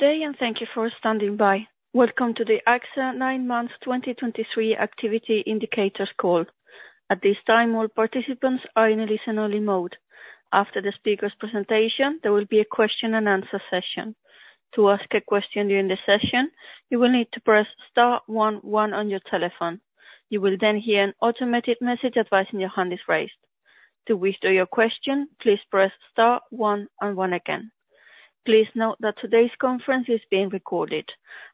Good day and thank you for standing by. Welcome to the AXA nine months 2023 activity indicators call. At this time, all participants are in a listen only mode. After the speaker's presentation, there will be a question-and-answer session. To ask a question during the session, you will need to press star one one on your telephone. You will then hear an automated message advising your hand is raised. To withdraw your question, please press star one and one again. Please note that today's conference is being recorded.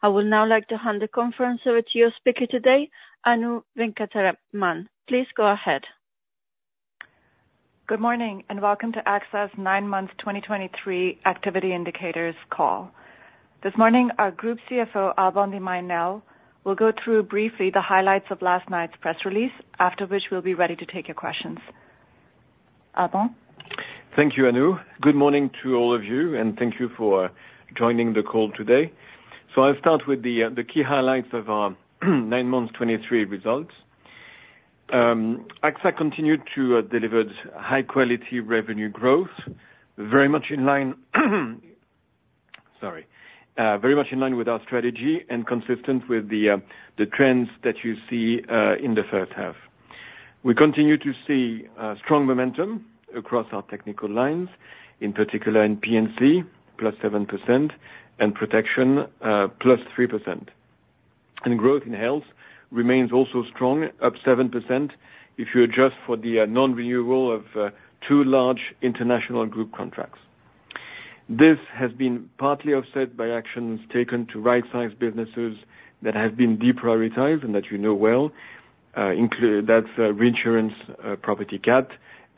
I would now like to hand the conference over to your speaker today, Anu Venkataraman. Please go ahead. Good morning, and welcome to AXA's nine months 2023 activity indicators call. This morning, our Group CFO, Alban de Mailly Nesle, will go through briefly the highlights of last night's press release, after which we'll be ready to take your questions. Alban? Thank you, Anu. Good morning to all of you, and thank you for joining the call today. So I'll start with the key highlights of our nine months 2023 results. AXA continued to delivered high quality revenue growth, very much in line, sorry, very much in line with our strategy and consistent with the trends that you see in the first half. We continue to see strong momentum across our technical lines, in particular in P&C, +7%, and protection, +3%. And growth in health remains also strong, up 7%, if you adjust for the non-renewal of two large international group contracts. This has been partly offset by actions taken to rightsize businesses that have been deprioritized and that you know well, reinsurance, Property Cat,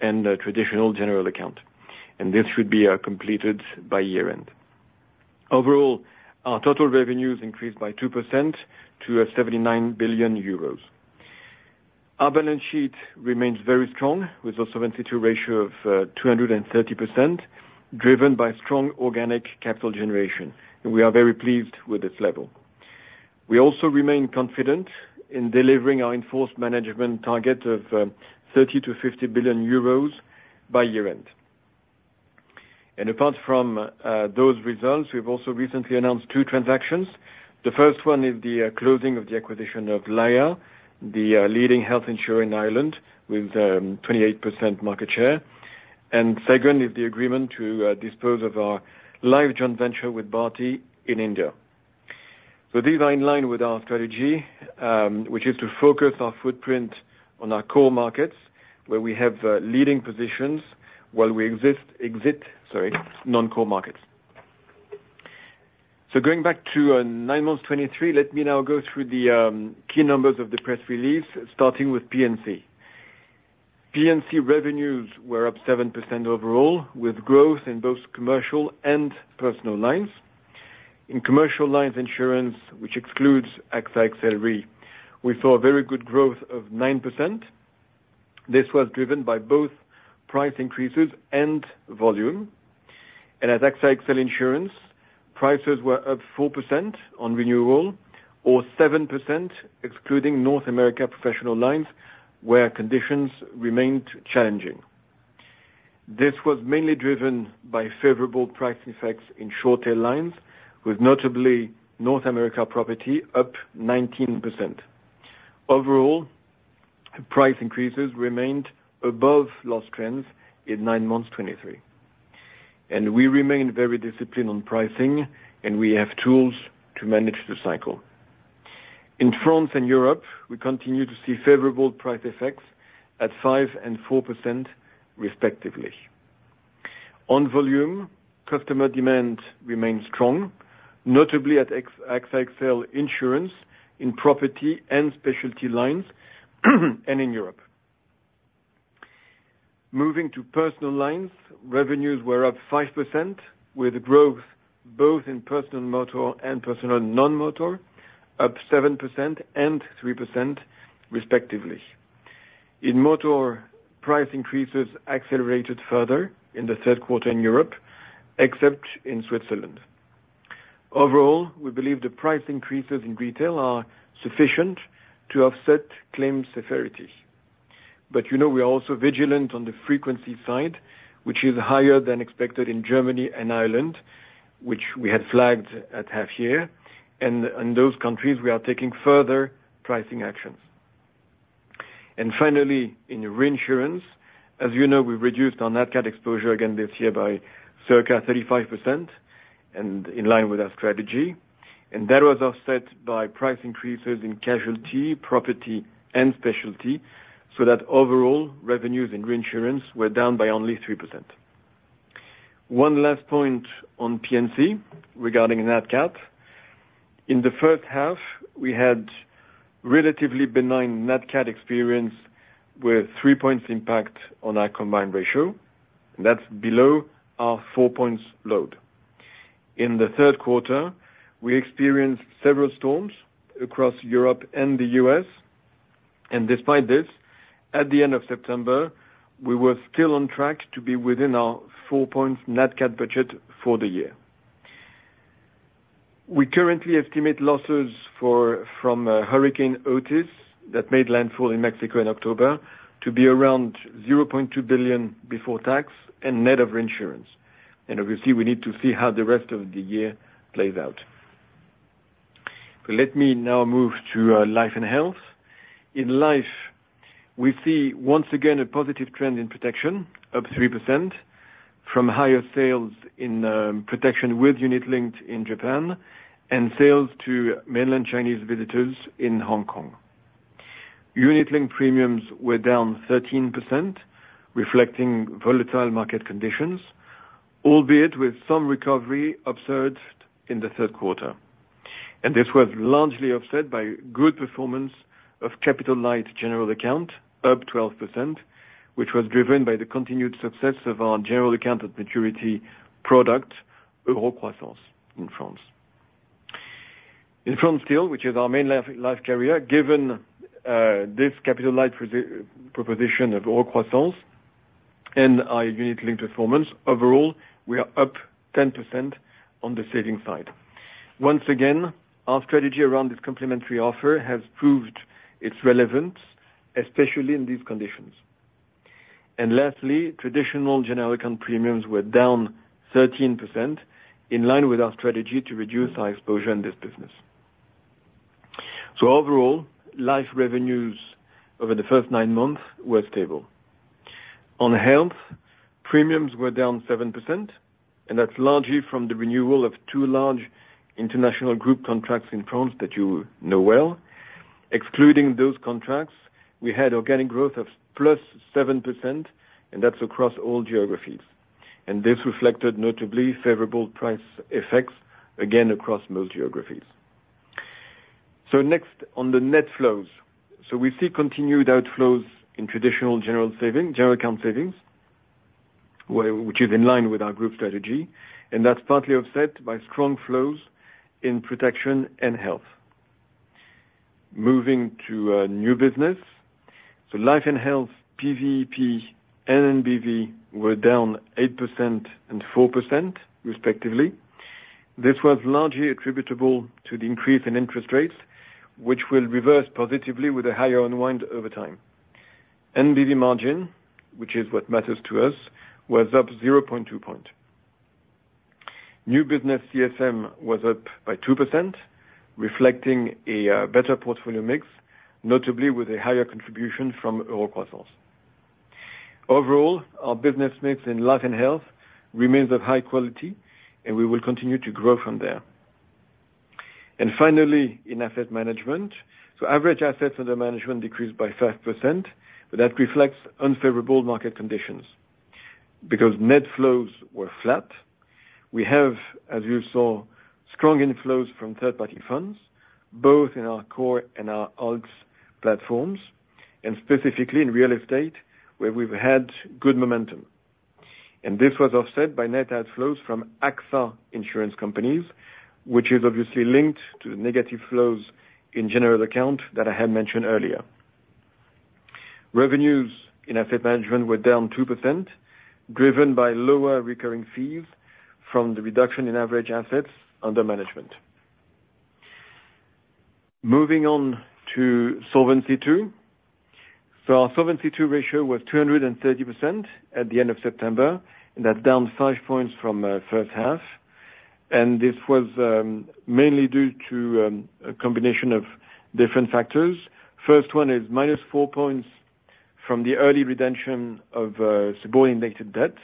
and a traditional general account, and this should be completed by year end. Overall, our total revenues increased by 2% to 79 billion euros. Our balance sheet remains very strong, with a Solvency II ratio of 230%, driven by strong organic capital generation, and we are very pleased with this level. We also remain confident in delivering our in-force management target of 30 billion-50 billion euros by year end. Apart from those results, we've also recently announced two transactions. The first one is the closing of the acquisition of Laya, the leading health insurer in Ireland with 28% market share. And second is the agreement to dispose of our life joint venture with Bharti in India. So these are in line with our strategy, which is to focus our footprint on our core markets, where we have leading positions while we exist, exit, sorry, non-core markets. So going back to nine months 2023, let me now go through the key numbers of the press release, starting with P&C. P&C revenues were up 7% overall, with growth in both commercial and personal lines. In commercial lines insurance, which excludes AXA XL Re, we saw a very good growth of 9%. This was driven by both price increases and volume. And at AXA XL Insurance, prices were up 4% on renewal or 7% excluding North America professional lines, where conditions remained challenging. This was mainly driven by favorable price effects in short tail lines, with notably North America property up 19%. Overall, price increases remained above loss trends in nine months 2023. And we remain very disciplined on pricing, and we have tools to manage the cycle. In France and Europe, we continue to see favorable price effects at 5% and 4% respectively. On volume, customer demand remains strong, notably at AXA XL Insurance, in property and specialty lines, and in Europe. Moving to personal lines, revenues were up 5%, with growth both in personal motor and personal non-motor, up 7% and 3% respectively. In motor, price increases accelerated further in the third quarter in Europe, except in Switzerland. Overall, we believe the price increases in retail are sufficient to offset claim severity. But, you know, we are also vigilant on the frequency side, which is higher than expected in Germany and Ireland, which we had flagged at half year. And in those countries, we are taking further pricing actions. And finally, in reinsurance, as you know, we've reduced our NatCat exposure again this year by circa 35%, and in line with our strategy. And that was offset by price increases in casualty, property, and specialty, so that overall revenues and reinsurance were down by only 3%. One last point on P&C regarding NatCat. In the first half, we had relatively benign NatCat experience with 3 points impact on our combined ratio, and that's below our 4 points load. In the third quarter, we experienced several storms across Europe and the U.S., and despite this, at the end of September, we were still on track to be within our 4-point NatCat budget for the year. We currently estimate losses from Hurricane Otis that made landfall in Mexico in October to be around 0.2 billion before tax and net of reinsurance. And obviously we need to see how the rest of the year plays out. Let me now move to life and health. In life, we see once again a positive trend in protection, up 3% from higher sales in protection with unit-linked in Japan and sales to mainland Chinese visitors in Hong Kong. Unit-linked premiums were down 13%, reflecting volatile market conditions, albeit with some recovery observed in the third quarter. This was largely offset by good performance of capital-light general account, up 12%, which was driven by the continued success of our general account maturity product, Euro-Croissance in France. In France, which is our main life carrier, given this capital-light proposition of Euro-Croissance and our unit-linked performance, overall, we are up 10% on the saving side. Once again, our strategy around this complementary offer has proved its relevance, especially in these conditions. And lastly, traditional general account premiums were down 13%, in line with our strategy to reduce our exposure in this business. So overall, life revenues over the first nine months were stable. On health, premiums were down 7%, and that's largely from the renewal of two large international group contracts in France that you know well. Excluding those contracts, we had organic growth of +7%, and that's across all geographies. This reflected notably favorable price effects, again, across most geographies. Next on the net flows. We see continued outflows in traditional general savings, general account savings, which is in line with our group strategy, and that's partly offset by strong flows in protection and health. Moving to new business, so life and health, PVP and NBV were down 8% and 4% respectively. This was largely attributable to the increase in interest rates, which will reverse positively with a higher unwind over time. NBV margin, which is what matters to us, was up 0.2 points. New business CSM was up by 2%, reflecting a better portfolio mix, notably with a higher contribution from Euro-Croissance. Overall, our business mix in life and health remains of high quality, and we will continue to grow from there. And finally, in asset management, so average assets under management decreased by 5%, but that reflects unfavorable market conditions. Because net flows were flat, we have, as you saw, strong inflows from third-party funds, both in our Core and our Alts platforms, and specifically in real estate, where we've had good momentum. And this was offset by net outflows from AXA insurance companies, which is obviously linked to the negative flows in general account that I had mentioned earlier. Revenues in asset management were down 2%, driven by lower recurring fees from the reduction in average assets under management. Moving on to Solvency II. So our Solvency II ratio was 230% at the end of September, and that's down 5 points from first half. This was mainly due to a combination of different factors. First one is -4 points from the early redemption of subordinated debt,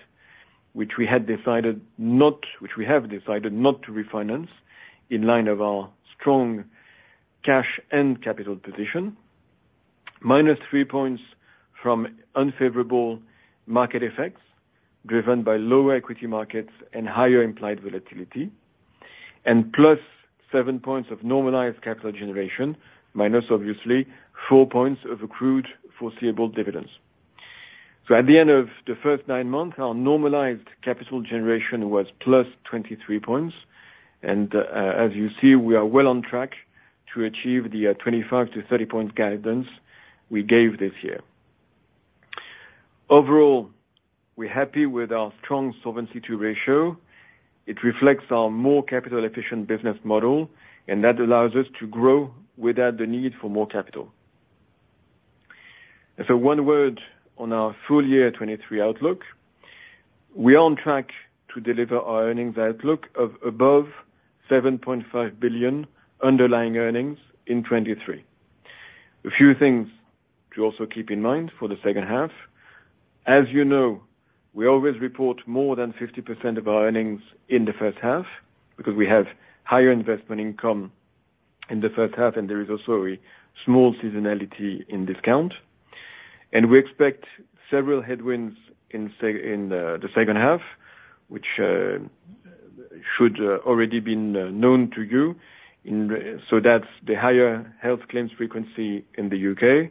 which we have decided not to refinance, in line with our strong cash and capital position. -3 points from unfavorable market effects, driven by lower equity markets and higher implied volatility. +7 points of normalized capital generation, minus obviously 4 points of accrued foreseeable dividends. So at the end of the first nine months, our normalized capital generation was +23 points, and as you see, we are well on track to achieve the 25-30 point guidance we gave this year. Overall, we're happy with our strong Solvency II ratio. It reflects our more capital efficient business model, and that allows us to grow without the need for more capital. So one word on our full year 2023 outlook, we are on track to deliver our earnings outlook of above 7.5 billion underlying earnings in 2023. A few things to also keep in mind for the second half: as you know, we always report more than 50% of our earnings in the first half, because we have higher investment income in the first half, and there is also a small seasonality in discount. We expect several headwinds in the second half, which should already been known to you. So that's the higher health claims frequency in the U.K.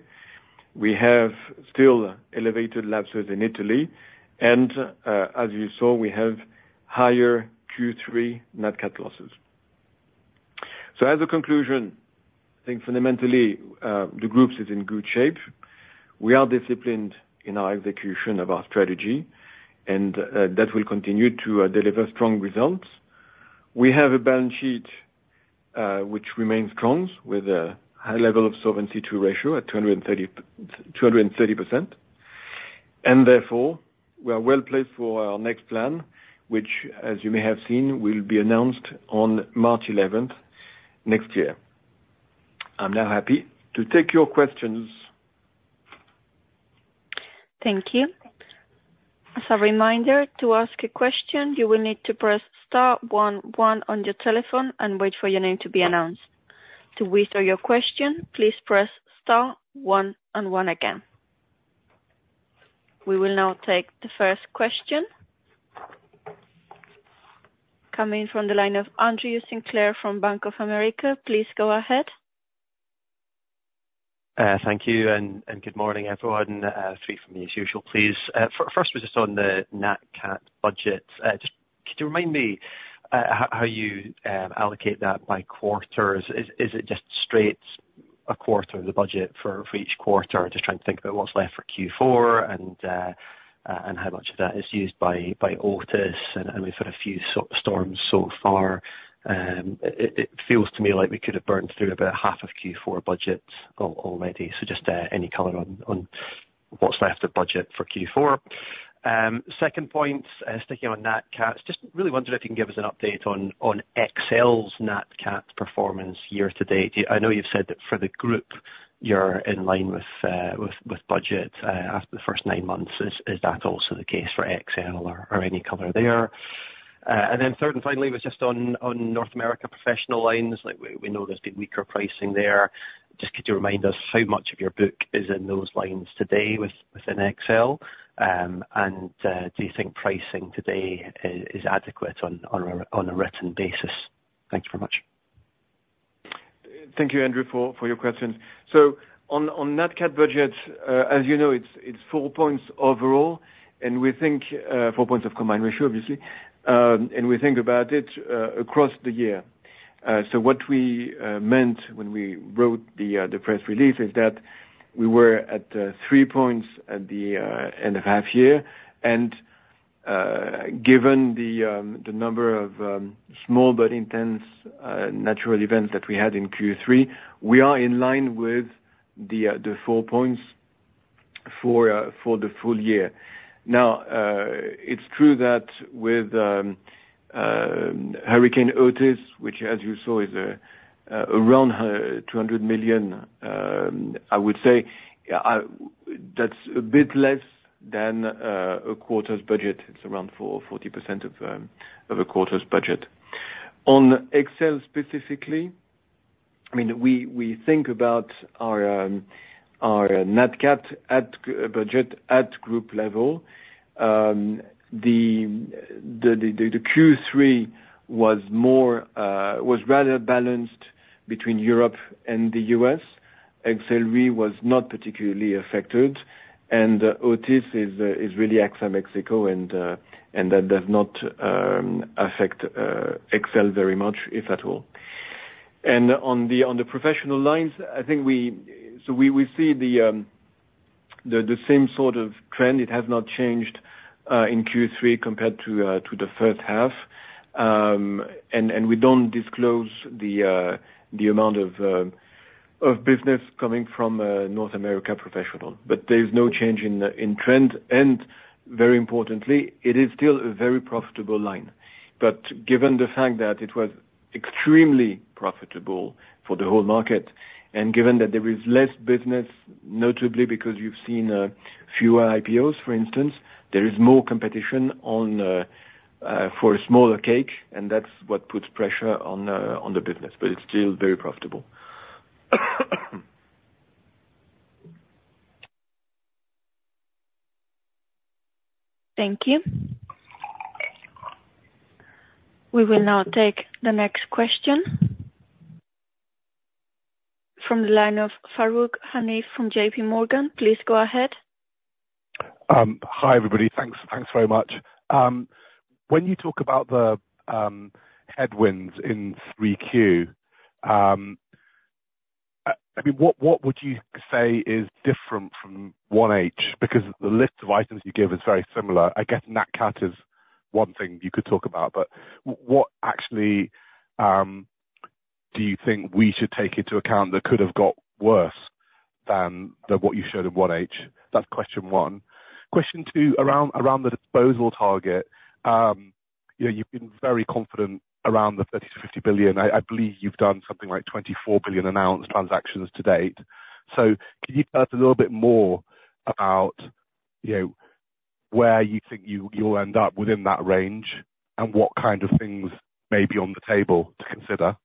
We have still elevated lapses in Italy, and, as you saw, we have higher Q3 NatCat losses. So, as a conclusion, I think fundamentally, the group is in good shape. We are disciplined in our execution of our strategy, and that will continue to deliver strong results. We have a balance sheet, which remains strong, with a high level of solvency ratio at 230%. And therefore, we are well placed for our next plan, which, as you may have seen, will be announced on March eleventh, next year. I'm now happy to take your questions. Thank you. As a reminder, to ask a question, you will need to press star one one on your telephone and wait for your name to be announced. To withdraw your question, please press star one and one again. We will now take the first question. Coming from the line of Andrew Sinclair from Bank of America, please go ahead. Thank you, and good morning, everyone, three from me as usual, please. First, we're just on the NatCat budget. Just could you remind me how you allocate that by quarters? Is it just straight a quarter of the budget for each quarter? Just trying to think about what's left for Q4, and how much of that is used by Otis, and I mean, for a few storms so far, it feels to me like we could have burned through about half of Q4 budget already. So just any color on what's left of budget for Q4? Second point, sticking on NatCat, just really wonder if you can give us an update on XL's NatCat performance year to date. I know you've said that for the group, you're in line with budget after the first nine months. Is that also the case for XL or any color there? And then third, and finally, was just on North America professional lines, like we know there's been weaker pricing there. Just could you remind us how much of your book is in those lines today within XL? And do you think pricing today is adequate on a written basis? Thank you very much. Thank you, Andrew, for your questions. So on NatCat budget, as you know, it's four points overall, and we think four points of combined ratio, obviously. And we think about it across the year. So what we meant when we wrote the press release is that we were at three points at the end of half year, and given the number of small but intense natural events that we had in Q3, we are in line with the four points for the full year. Now, it's true that with Hurricane Otis, which as you saw is around 200 million, I would say, that's a bit less than a quarter's budget. It's around 40% of a quarter's budget. On XL specifically, I mean, we think about our NatCat budget at group level. The Q3 was more, was rather balanced between Europe and the U.S. XL Re was not particularly affected, and Otis is really AXA Mexico, and that does not affect XL very much, if at all. And on the professional lines, I think we... So we see the same sort of trend. It has not changed in Q3 compared to the first half. And we don't disclose the amount of business coming from North America professional, but there's no change in trend. Very importantly, it is still a very profitable line. Given the fact that it was extremely profitable for the whole market, and given that there is less business, notably because you've seen fewer IPOs, for instance, there is more competition for a smaller cake, and that's what puts pressure on the business. It's still very profitable. Thank you. We will now take the next question. From the line of Farooq Hanif from JPMorgan. Please go ahead. Hi, everybody. Thanks very much. When you talk about the headwinds in 3Q, I mean, what would you say is different from 1H? Because the list of items you give is very similar. I guess NatCat is one thing you could talk about, but what actually do you think we should take into account that could have got worse than what you showed in 1H? That's question one. Question two, around the disposal target, you know, you've been very confident around the 30 billion-50 billion. I believe you've done something like 24 billion announced transactions to date. So can you tell us a little bit more about, you know, where you think you'll end up within that range, and what kind of things may be on the table to consider?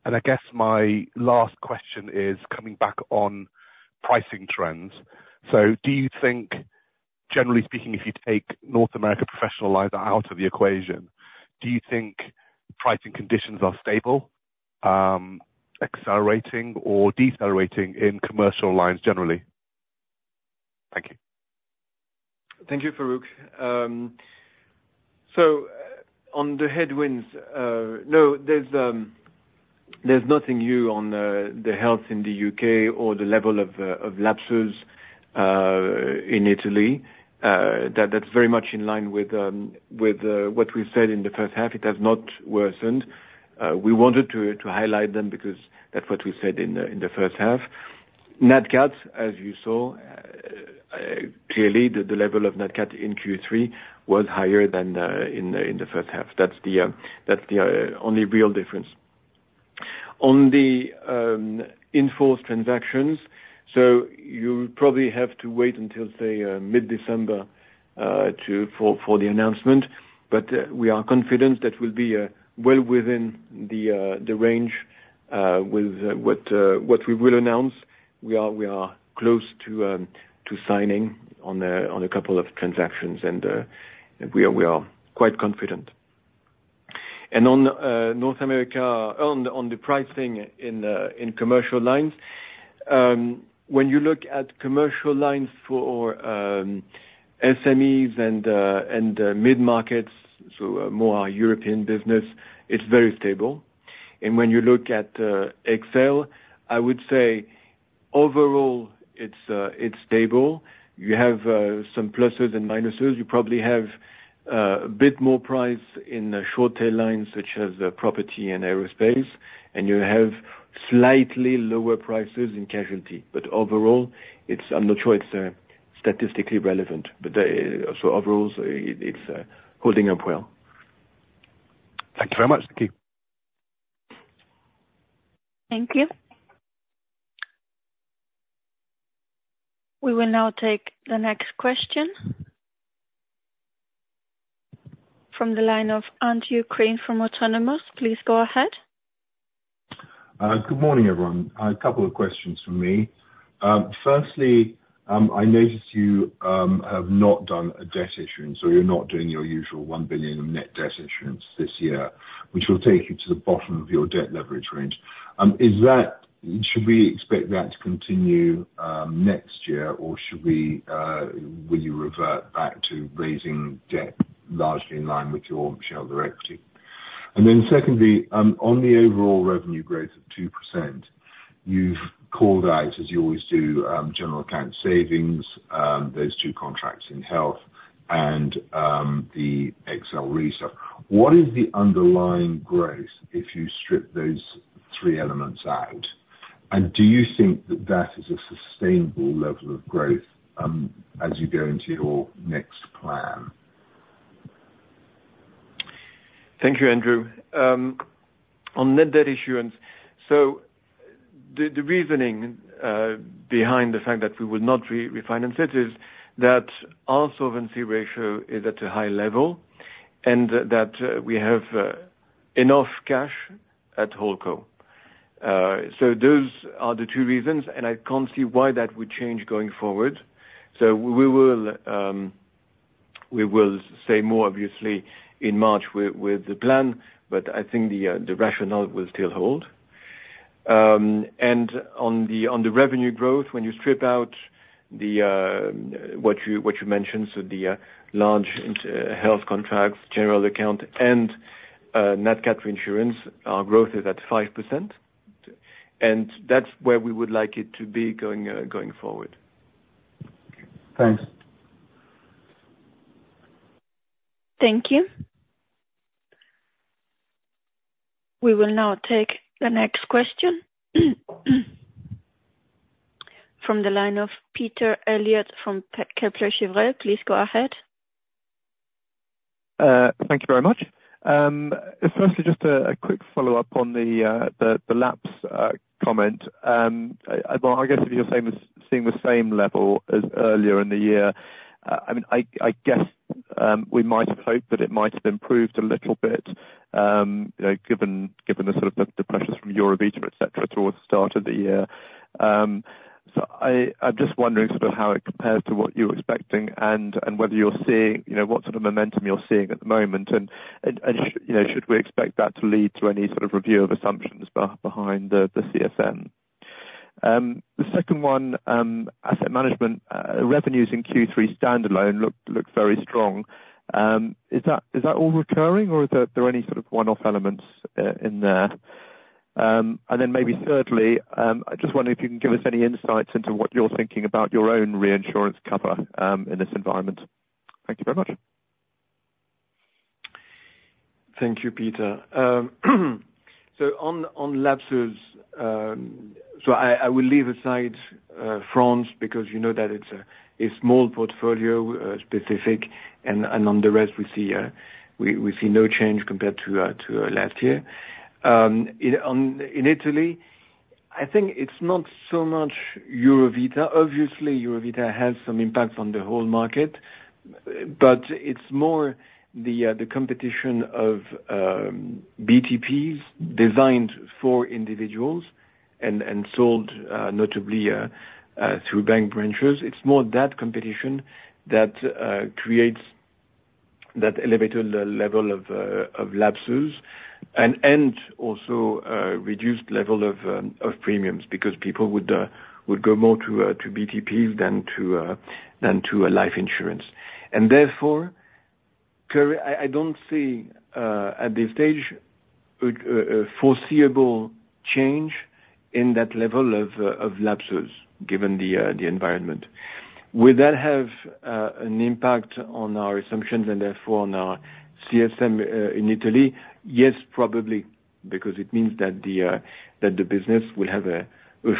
And I guess my last question is coming back on pricing trends. So do you think, generally speaking, if you take North America professional lines out of the equation, do you think pricing conditions are stable, accelerating or decelerating in commercial lines generally? Thank you, Farooq. So on the headwinds, no, there's nothing new on the health in the U.K. or the level of lapses in Italy. That's very much in line with what we said in the first half, it has not worsened. We wanted to highlight them because that's what we said in the first half. NatCat, as you saw, clearly the level of NatCat in Q3 was higher than in the first half. That's the only real difference. On the in-force transactions, so you probably have to wait until say mid-December to for the announcement. But we are confident that we'll be well within the range with what we will announce. We are close to signing on a couple of transactions, and we are quite confident. And on North America, on the pricing in commercial lines, when you look at commercial lines for SMEs and mid-markets, so more European business, it's very stable. And when you look at XL, I would say, overall, it's stable. You have some pluses and minuses. You probably have a bit more price in the short tail lines, such as the property and aerospace, and you have slightly lower prices in casualty. But overall, it's, I'm not sure it's statistically relevant, but so overall, it's holding up well. Thank you very much. Thank you. Thank you. We will now take the next question. From the line of Andrew Crean from Autonomous. Please go ahead. Good morning, everyone. A couple of questions from me. Firstly, I noticed you have not done a debt issuance, or you're not doing your usual 1 billion of net debt issuance this year, which will take you to the bottom of your debt leverage range. Is that... Should we expect that to continue next year? Or should we, will you revert back to raising debt largely in line with your share of the equity? And then secondly, on the overall revenue growth of 2%, you've called out, as you always do, general account savings, those two contracts in health and the XL reserve. What is the underlying growth if you strip those three elements out? And do you think that that is a sustainable level of growth as you go into your next plan? Thank you, Andrew. On net debt issuance, the reasoning behind the fact that we would not refinance it is that our solvency ratio is at a high level, and that we have enough cash at HoldCo. So those are the two reasons, and I can't see why that would change going forward. So we will say more obviously in March with the plan, but I think the rationale will still hold. And on the revenue growth, when you strip out what you mentioned, so the large inter-health contracts, general account, and NatCat reinsurance, our growth is at 5%. And that's where we would like it to be going forward. Thanks. Thank you. We will now take the next question. From the line of Peter Eliot from Kepler Cheuvreux. Please go ahead. Thank you very much. Firstly, just a quick follow-up on the lapse comment. Well, I guess if you're saying the seeing the same level as earlier in the year, I mean, I guess, we might hope that it might have improved a little bit, you know, given the sort of the pressures from Eurovita, et cetera, towards the start of the year. So I'm just wondering sort of how it compares to what you're expecting, and whether you're seeing, you know, what sort of momentum you're seeing at the moment? And you know, should we expect that to lead to any sort of review of assumptions behind the CSM? The second one, asset management revenues in Q3 standalone looked very strong. Is that all recurring or are there any sort of one-off elements in there? And then maybe thirdly, I just wonder if you can give us any insights into what you're thinking about your own reinsurance cover in this environment? Thank you very much. Thank you, Peter. So on lapses, so I will leave aside France because you know that it's a small portfolio, specific, and on the rest we see we see no change compared to last year. In Italy, I think it's not so much Eurovita. Obviously, Eurovita has some impact on the whole market, but it's more the competition of BTPs designed for individuals and sold notably through bank branches. It's more that competition that elevated the level of lapses, and also reduced level of premiums, because people would go more to BTPs than to a life insurance. And therefore, clearly, I don't see, at this stage, a foreseeable change in that level of lapses, given the environment. Will that have an impact on our assumptions, and therefore on our CSM in Italy? Yes, probably, because it means that the business will have a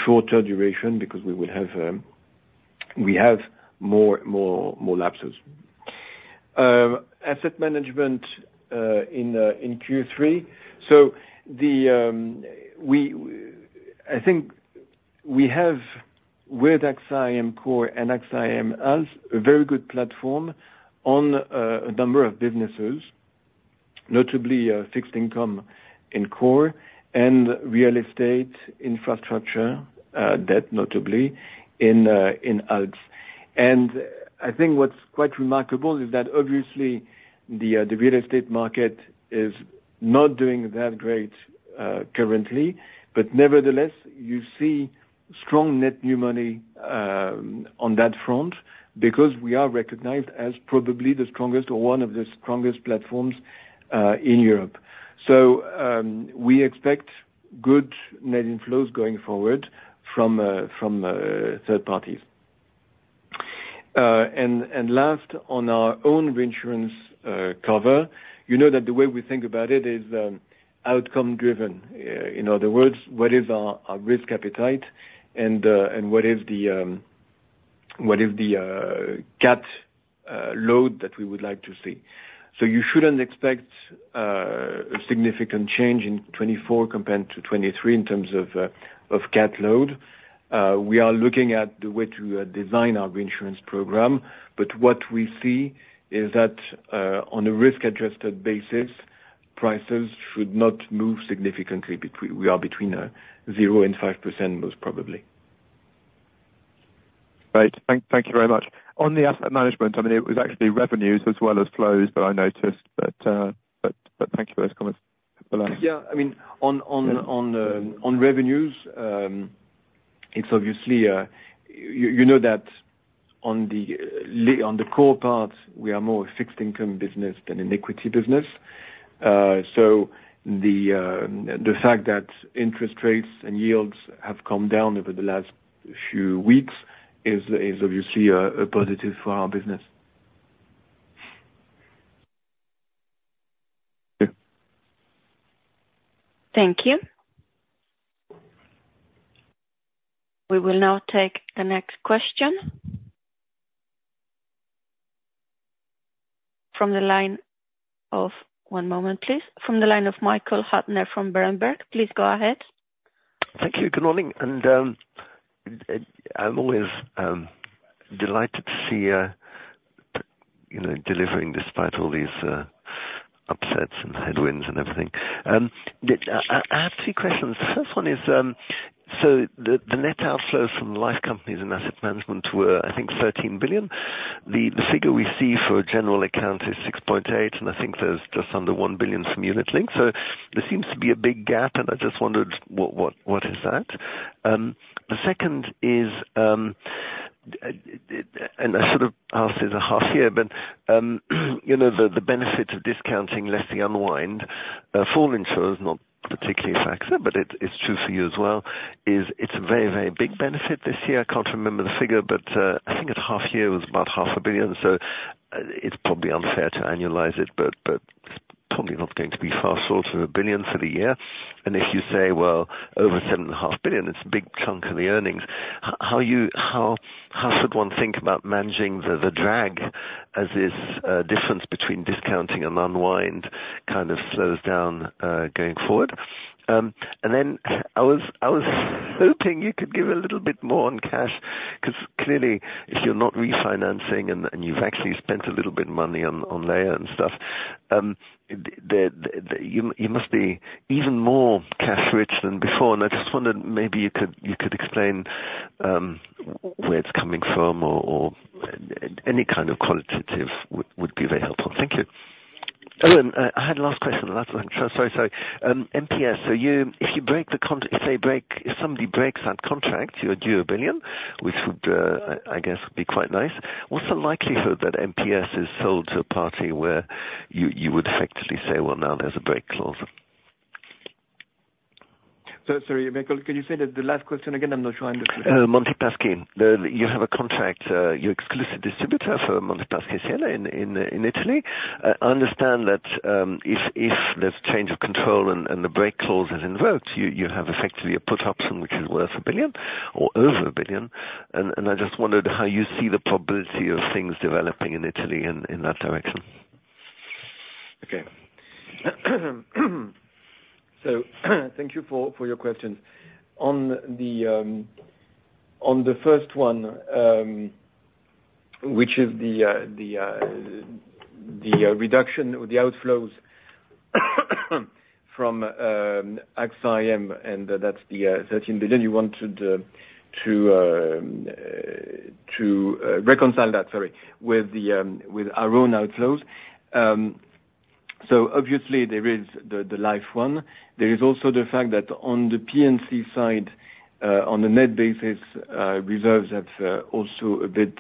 shorter duration, because we have more lapses. Asset management in Q3. So, I think we have with AXA IM Core and AXA IM Alts a very good platform on a number of businesses, notably fixed income in Core and real estate infrastructure debt, notably in alts. And I think what's quite remarkable is that obviously, the real estate market is not doing that great, currently, but nevertheless, you see strong net new money, on that front, because we are recognized as probably the strongest or one of the strongest platforms, in Europe. So, we expect good net inflows going forward from, from, third parties. And last, on our own reinsurance cover, you know that the way we think about it is, outcome driven. In other words, what is our risk appetite, and what is the CAT load that we would like to see? So you shouldn't expect, a significant change in 2024 compared to 2023, in terms of CAT load. We are looking at the way to design our reinsurance program, but what we see is that, on a risk-adjusted basis, prices should not move significantly between... We are between 0% and 5%, most probably. Great. Thank, thank you very much. On the asset management, I mean, it was actually revenues as well as flows, but I noticed, but thank you for those comments. Yeah. I mean, on revenues, it's obviously, you know that on the core parts, we are more a fixed income business than an equity business. So the fact that interest rates and yields have come down over the last few weeks is obviously a positive for our business. Thank you. Thank you. We will now take the next question... From the line of, one moment, please. From the line of Michael Huttner from Berenberg, please go ahead. Thank you. Good morning. I'm always delighted to see, you know, delivering despite all these upsets and headwinds and everything. I have two questions. First one is, so the net outflow from life companies and asset management were, I think, 13 billion. The figure we see for a general account is 6.8 billion, and I think there's just under 1 billion from unit link, so there seems to be a big gap, and I just wondered what that is? The second is, and I sort of asked this at half year, but, you know, the benefits of discounting less the unwind for insurers, not particularly AXA, but it's true for you as well, is a very, very big benefit this year. I can't remember the figure, but I think at half-year was about 0.5 billion, so it's probably unfair to annualize it, but it's probably not going to be far short of 1 billion for the year. And if you say, well, over 7.5 billion, it's a big chunk of the earnings. How should one think about managing the drag as this difference between discounting and unwind kind of slows down going forward? And then I was hoping you could give a little bit more on cash, 'cause clearly if you're not refinancing and you've actually spent a little bit of money on Laya and stuff, the you must be even more cash rich than before. I just wondered, maybe you could, you could explain where it's coming from, or, or any kind of qualitative would, would be very helpful. Thank you. Oh, and I had a last question, the last one. Sorry, sorry. MPS, so you, if they break, if somebody breaks that contract, you're due 1 billion, which would, I guess would be quite nice. What's the likelihood that MPS has sold to a party where you, you would effectively say, "Well, now there's a break clause? So sorry, Michael, could you say the last question again? I'm not sure I understood. Monte dei Paschi. You have a contract, you're exclusive distributor for Monte dei Paschi di Siena in Italy. I understand that, if there's change of control and the break clause is invoked, you have effectively a put option which is worth 1 billion or over 1 billion, and I just wondered how you see the probability of things developing in Italy in that direction. Okay. So thank you for your questions. On the first one, which is the reduction or the outflows from AXA IM, and that's the 13 billion, you wanted to reconcile that, sorry, with our own outflows. So obviously there is the life one, there is also the fact that on the P&C side, on the net basis, reserves have also a bit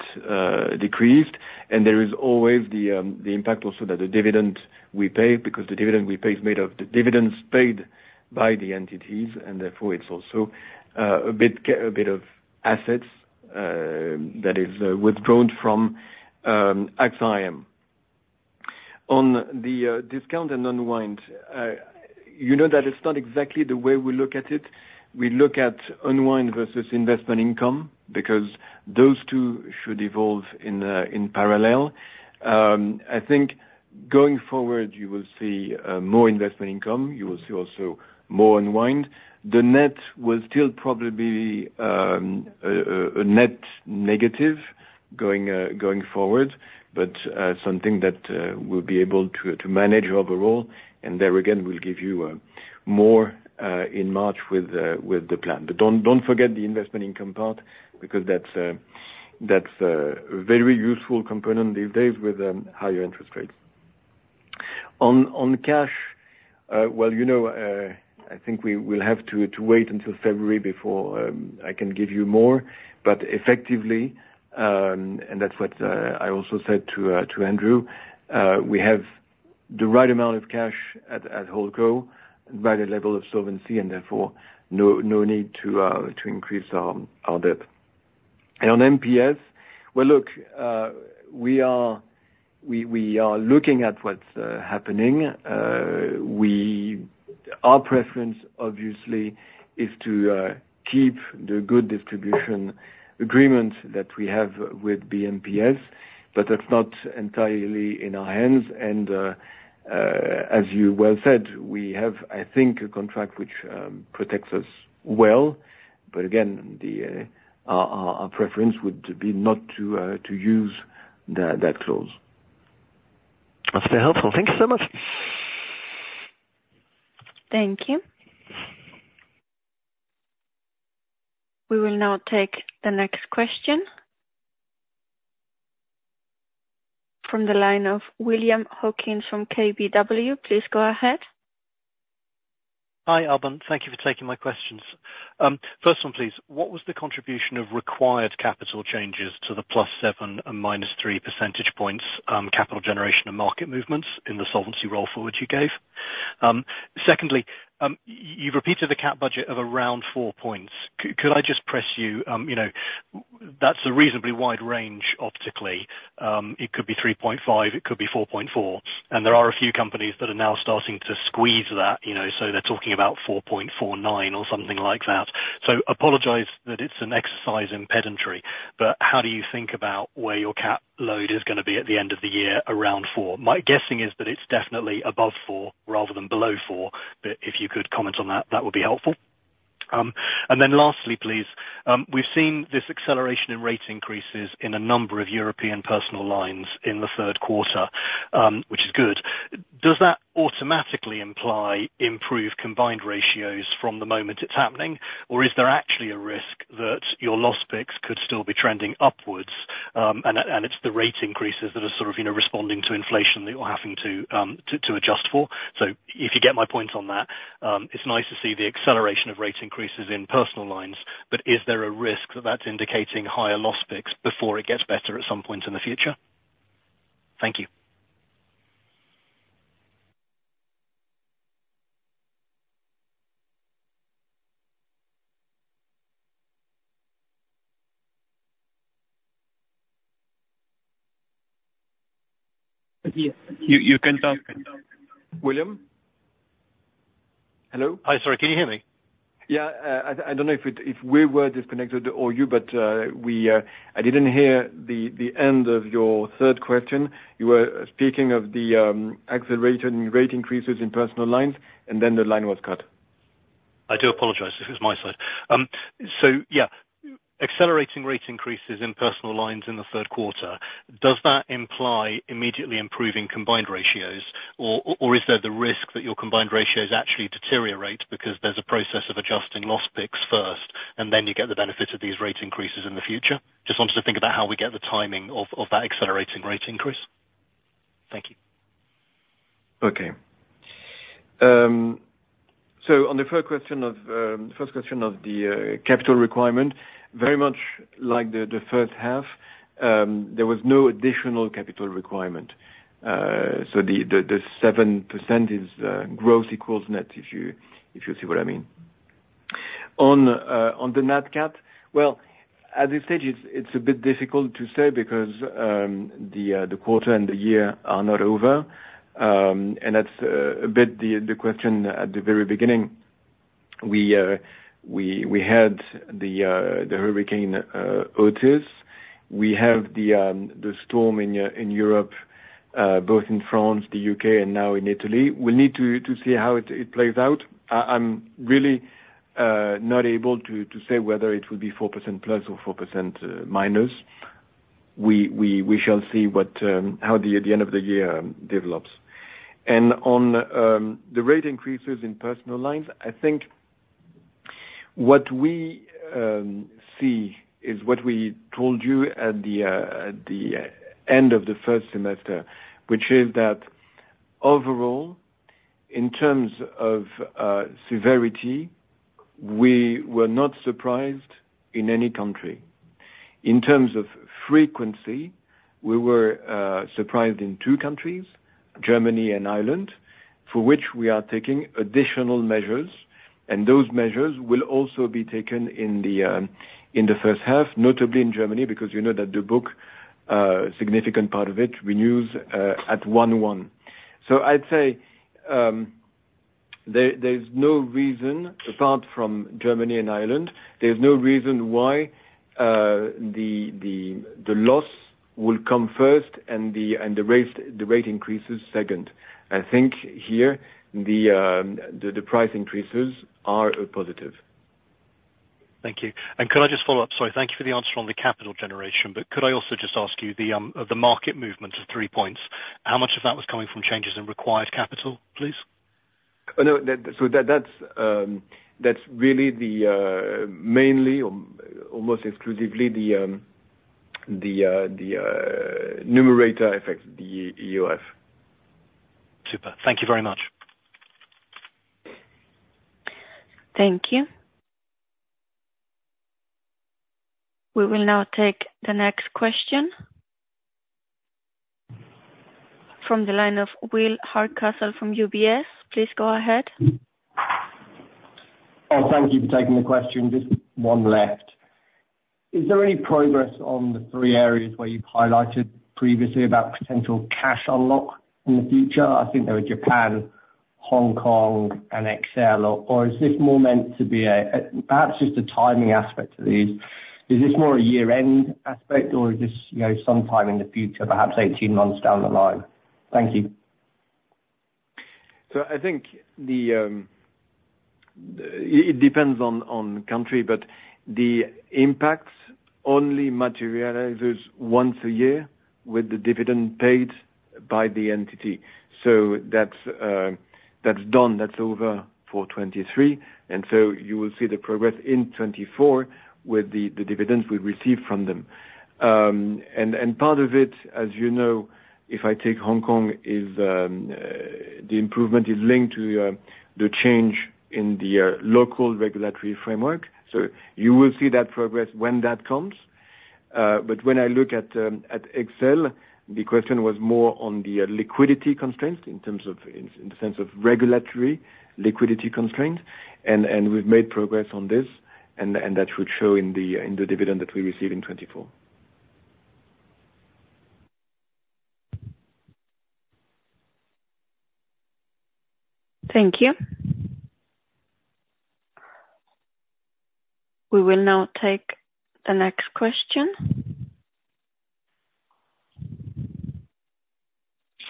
decreased, and there is always the impact also that the dividend we pay, because the dividend we pay is made of the dividends paid by the entities, and therefore it's also a bit of assets that is withdrawn from AXA IM. On the discount and unwind, you know that it's not exactly the way we look at it. We look at unwind versus investment income, because those two should evolve in parallel. I think going forward, you will see more investment income, you will see also more unwind. The net will still probably be a net negative going forward, but something that we'll be able to manage overall, and there again, we'll give you more in March with the plan. But don't forget the investment income part, because that's a very useful component these days with higher interest rates. On cash, well, you know, I think we will have to wait until February before I can give you more, but effectively, and that's what I also said to Andrew, we have the right amount of cash at HoldCo by the level of solvency, and therefore no need to increase our debt. And on MPS, well, look, we are looking at what's happening. Our preference obviously is to keep the good distribution agreement that we have with MPS, but that's not entirely in our hands, and, as you well said, we have, I think, a contract which protects us well, but again, our preference would be not to use that clause. That's very helpful. Thank you so much. Thank you. We will now take the next question from the line of William Hawkins from KBW, please go ahead. Hi, Alban. Thank you for taking my questions. First one, please, what was the contribution of required capital changes to the +7 and -3 percentage points, capital generation and market movements in the solvency roll forward you gave? Secondly, you've repeated the cat budget of around 4 points. Could I just press you, you know, that's a reasonably wide range optically. It could be 3.5, it could be 4.4, and there are a few companies that are now starting to squeeze that, you know, so they're talking about 4.49 or something like that. So apologize that it's an exercise in pedantry, but how do you think about where your cat load is gonna be at the end of the year, around 4? My guessing is that it's definitely above four, rather than below four, but if you could comment on that, that would be helpful. And then lastly, please, we've seen this acceleration in rate increases in a number of European personal lines in the third quarter, which is good. Does that automatically imply improved combined ratios from the moment it's happening? Or is there actually a risk that your loss picks could still be trending upwards, and it's the rate increases that are sort of, you know, responding to inflation that you're having to, to adjust for? So if you get my point on that, it's nice to see the acceleration of rate increases in personal lines, but is there a risk that that's indicating higher loss picks before it gets better at some point in the future? Thank you. You, you can talk. William? Hello? Hi, sorry. Can you hear me? Yeah. I don't know if we were disconnected or you, but I didn't hear the end of your third question. You were speaking of the accelerated rate increases in personal lines, and then the line was cut. I do apologize, it was my side. So yeah, accelerating rate increases in personal lines in the third quarter, does that imply immediately improving combined ratios, or, or is there the risk that your combined ratios actually deteriorate because there's a process of adjusting loss picks first, and then you get the benefit of these rate increases in the future? Just wanted to think about how we get the timing of, of that accelerating rate increase. Thank you. Okay. So on the first question of the capital requirement, very much like the first half, there was no additional capital requirement. So the 7% is gross equals net, if you see what I mean. On the NatCat, well, as I said, it's a bit difficult to say because the quarter and the year are not over, and that's a bit the question at the very beginning. We had the hurricane Otis. We have the storm in Europe, both in France, the U.K., and now in Italy. We need to see how it plays out. I'm really not able to say whether it will be 4% plus or 4% minus. We shall see how the end of the year develops. And on the rate increases in personal lines, I think what we see is what we told you at the end of the first semester, which is that overall, in terms of severity, we were not surprised in any country. In terms of frequency, we were surprised in two countries, Germany and Ireland, for which we are taking additional measures, and those measures will also be taken in the first half, notably in Germany, because you know that the book significant part of it renews at 1-1. So I'd say, there, there's no reason, apart from Germany and Ireland, there's no reason why, the loss will come first and the rate increases second. I think here, the price increases are positive. Thank you. And could I just follow up? Sorry, thank you for the answer on the capital generation, but could I also just ask you the market movement of three points, how much of that was coming from changes in required capital, please? No, that's really the numerator affects the EOF. Super. Thank you very much. Thank you. We will now take the next question. From the line of Will Hardcastle from UBS. Please go ahead. Oh, thank you for taking the question. Just one left. Is there any progress on the three areas where you've highlighted previously about potential cash unlock in the future? I think they were Japan, Hong Kong, and XL, or is this more meant to be a, perhaps just a timing aspect to these? Is this more a year-end aspect or is this, you know, sometime in the future, perhaps 18 months down the line? Thank you. So I think it depends on country, but the impacts only materializes once a year with the dividend paid by the entity. So that's over for 2023, and so you will see the progress in 2024 with the dividends we receive from them. And part of it, as you know, if I take Hong Kong, the improvement is linked to the change in the local regulatory framework. So you will see that progress when that comes. But when I look at XL, the question was more on the liquidity constraints in terms of, in the sense of regulatory liquidity constraints, and we've made progress on this, and that should show in the dividend that we receive in 2024. Thank you. We will now take the next question.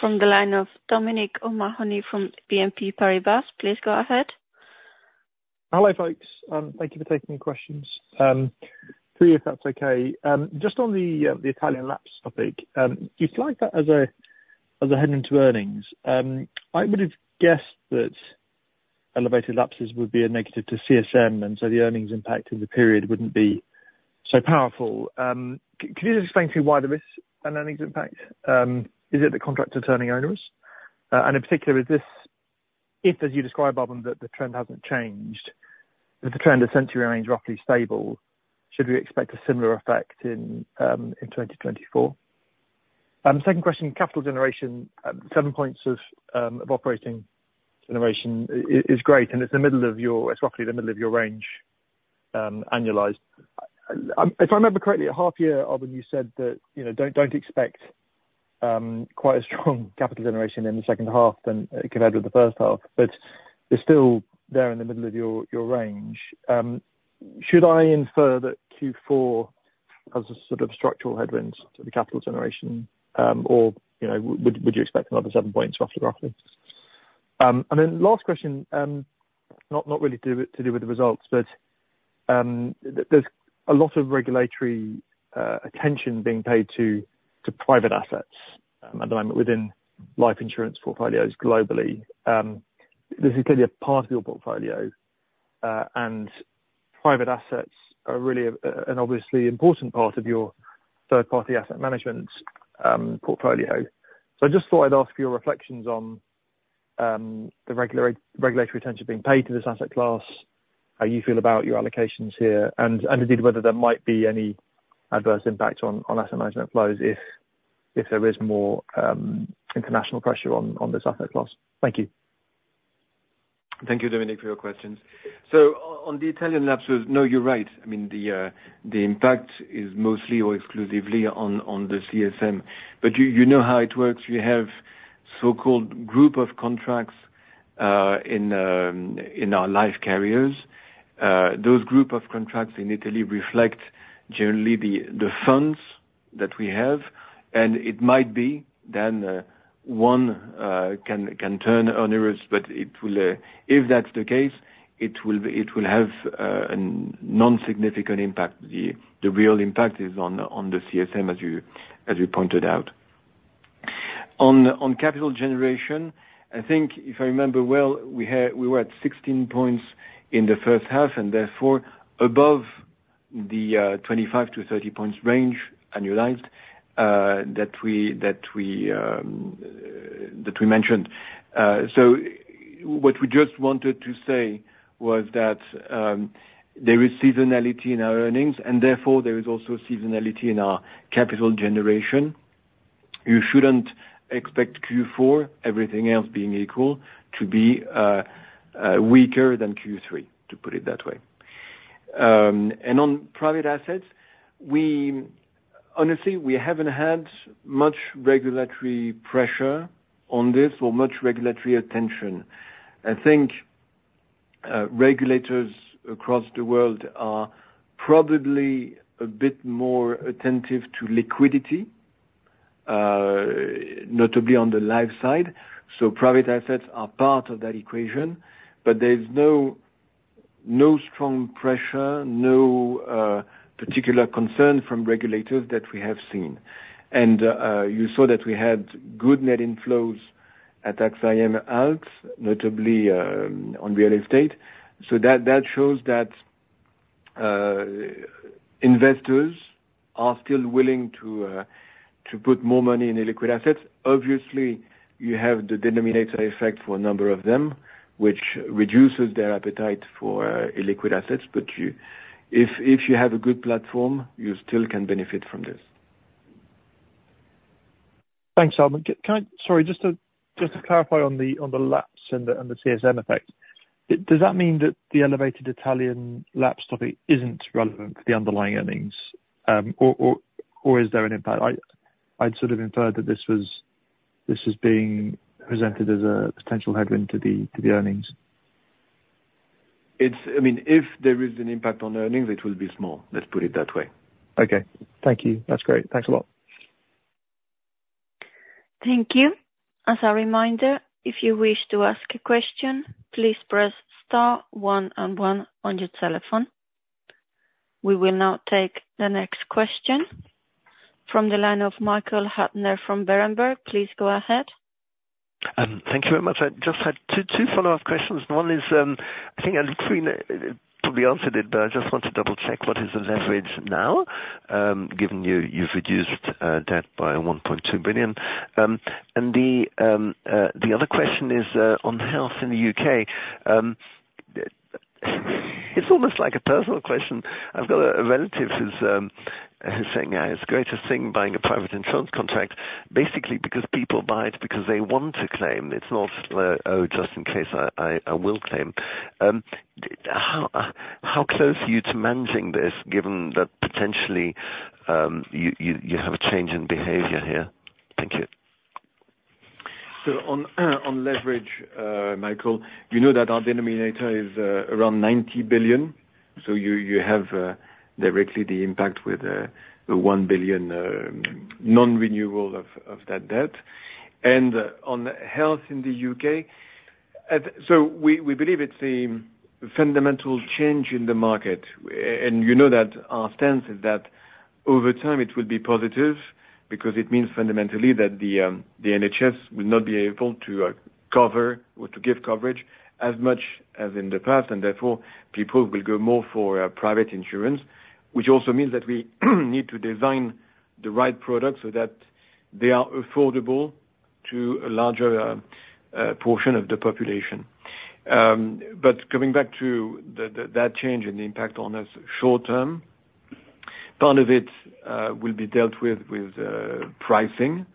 From the line of Dominic O'Mahony from BNP Paribas, please go ahead. Hello, folks. Thank you for taking the questions. Three, if that's okay. Just on the Italian lapse topic, you flag that as a headwind into earnings. I would have guessed that elevated lapses would be a negative to CSM, and so the earnings impact in the period wouldn't be so powerful. Could you just explain to me why the risk and earnings impact? Is it the CSM unwind? And in particular, if as you describe, Alban, that the trend hasn't changed, if the trend essentially remains roughly stable, should we expect a similar effect in 2024? Second question, capital generation, 7 points of operating generation is great, and it's the middle of your, it's roughly the middle of your range, annualized. If I remember correctly, at half year, Alban, you said that, you know, don't, don't expect quite a strong capital generation in the second half than compared with the first half, but it's still there in the middle of your, your range. Should I infer that Q4 has a sort of structural headwind to the capital generation, or, you know, would, would you expect another seven points roughly, roughly? And then last question, not, not really to do with, to do with the results, but, there's a lot of regulatory attention being paid to, to private assets at the moment within life insurance portfolios globally. This is clearly a part of your portfolio, and private assets are really an obviously important part of your third party asset management, portfolio. I just thought I'd ask for your reflections on the regulatory attention being paid to this asset class, how you feel about your allocations here, and indeed, whether there might be any adverse impact on asset management flows if there is more international pressure on this asset class. Thank you. Thank you, Dominic, for your questions. So on the Italian lapses, no, you're right. I mean, the impact is mostly or exclusively on the CSM. But you know how it works, you have so-called group of contracts in our life carriers. Those group of contracts in Italy reflect generally the funds that we have. And it might be then, one can turn onerous, but it will, if that's the case, it will have a non-significant impact. The real impact is on the CSM, as you pointed out. On capital generation, I think if I remember well, we were at 16 points in the first half, and therefore above the 25-30 points range, annualized, that we mentioned. So what we just wanted to say was that, there is seasonality in our earnings, and therefore, there is also seasonality in our capital generation. You shouldn't expect Q4, everything else being equal, to be weaker than Q3, to put it that way. And on private assets, we honestly, we haven't had much regulatory pressure on this or much regulatory attention. I think, regulators across the world are probably a bit more attentive to liquidity, notably on the life side. So private assets are part of that equation, but there's no strong pressure, no particular concern from regulators that we have seen. And, you saw that we had good net inflows at AXA IM Alts, notably, on real estate. So that shows that, investors are still willing to, to put more money in illiquid assets. Obviously, you have the denominator effect for a number of them, which reduces their appetite for illiquid assets, but you - if you have a good platform, you still can benefit from this. Thanks, Alban. Can I—sorry, just to clarify on the lapse and the CSM effect, does that mean that the elevated Italian lapse topic isn't relevant to the underlying earnings? Or is there an impact? I'd sort of inferred that this was being presented as a potential headwind to the earnings. It's... I mean, if there is an impact on earnings, it will be small. Let's put it that way. Okay. Thank you. That's great. Thanks a lot. Thank you. As a reminder, if you wish to ask a question, please press star one and one on your telephone. We will now take the next question from the line of Michael Huttner from Berenberg. Please go ahead. Thank you very much. I just had two follow-up questions. One is, I think you've probably answered it, but I just want to double check. What is the leverage now, given you've reduced debt by 1.2 billion? And the other question is on health in the U.K. It's almost like a personal question. I've got a relative who's saying, yeah, it's a greater thing buying a private insurance contract, basically because people buy it because they want to claim. It's not, oh, just in case I will claim. How close are you to managing this, given that potentially you have a change in behavior here? Thank you. So on leverage, Michael, you know that our denominator is around 90 billion. So you have directly the impact with the 1 billion non-renewal of that debt. And on health in the U.K., so we believe it's a fundamental change in the market. And you know that our stance is that over time it will be positive, because it means fundamentally that the NHS will not be able to cover or to give coverage as much as in the past, and therefore, people will go more for private insurance. Which also means that we need to design the right product, so that they are affordable to a larger portion of the population. But coming back to that change and the impact on us short term, part of it will be dealt with pricing.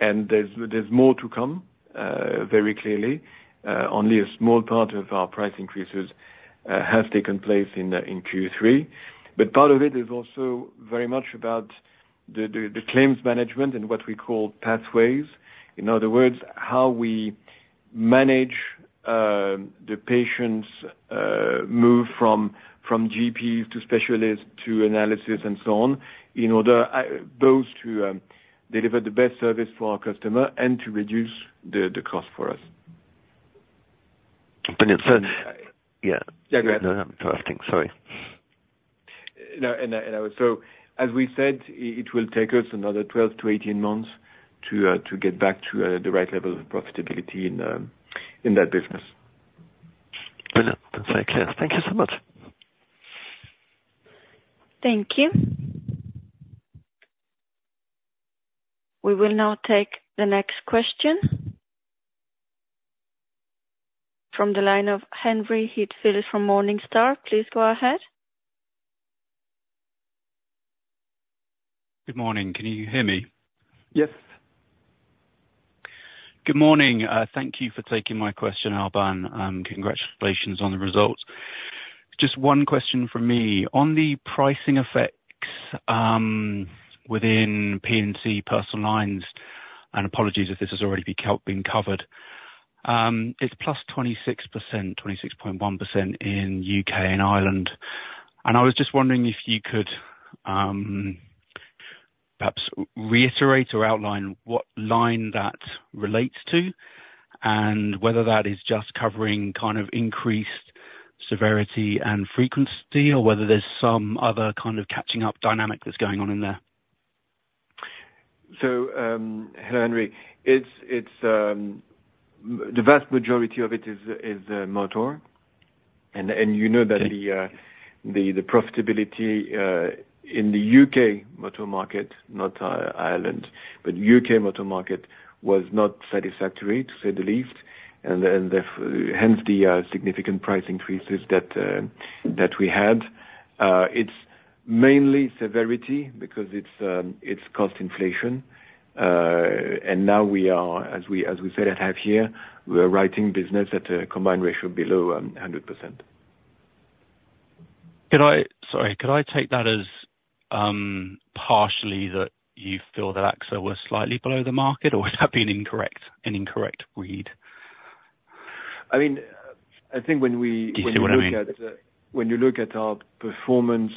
And there's more to come very clearly. Only a small part of our price increases have taken place in Q3. But part of it is also very much about the claims management and what we call pathways. In other words, how we manage the patients move from GPs to specialists, to analysis, and so on, in order both to deliver the best service for our customer and to reduce the cost for us. But it said... Yeah. Yeah, go ahead. No, I'm asking, sorry. No, as we said, it will take us another 12-18 months to get back to the right level of profitability in that business. Well, that's very clear. Thank you so much. Thank you. We will now take the next question from the line of Henry Heathfield from Morningstar. Please go ahead. Good morning. Can you hear me? Yes. Good morning, thank you for taking my question, Alban, congratulations on the results. Just one question from me. On the pricing effects, within P&C personal lines- Apologies if this has already been covered. It's +26%, 26.1% in U.K. and Ireland, and I was just wondering if you could perhaps reiterate or outline what line that relates to, and whether that is just covering kind of increased severity and frequency, or whether there's some other kind of catching up dynamic that's going on in there? Hello, Henry. The vast majority of it is motor. You know that the profitability in the U.K. motor market, not Ireland, but U.K. motor market, was not satisfactory, to say the least. Therefore, hence the significant price increases that we had. It's mainly severity, because it's cost inflation. Now, as we said at half year, we are writing business at a combined ratio below 100%. Could I... Sorry, could I take that as, partially that you feel that AXA was slightly below the market, or would that be an incorrect, an incorrect read? I mean, I think when we- Do you see what I mean? When you look at, when you look at our performance,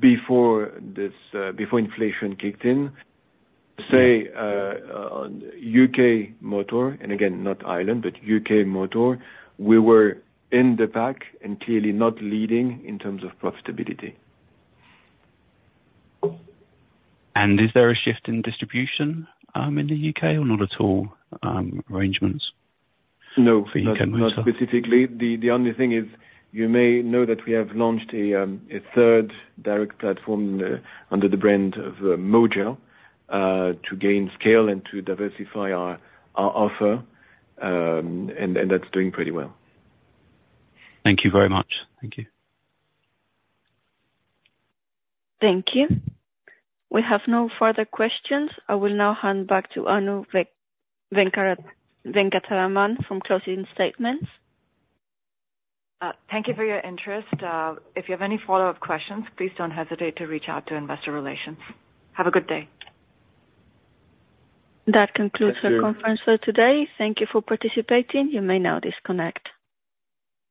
before this, before inflation kicked in, say, on U.K. motor, and again, not Ireland, but U.K. motor, we were in the pack and clearly not leading in terms of profitability. Is there a shift in distribution, in the U.K. or not at all, arrangements? No. For U.K. motor. Not specifically. The only thing is, you may know that we have launched a third direct platform under the brand of Moja to gain scale and to diversify our offer. And that's doing pretty well. Thank you very much. Thank you. Thank you. We have no further questions. I will now hand back to Anu Venkataraman for closing statements. Thank you for your interest. If you have any follow-up questions, please don't hesitate to reach out to investor relations. Have a good day. That concludes- Thank you. Our conference call today. Thank you for participating. You may now disconnect.